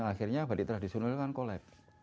akhirnya batik tradisional kan collect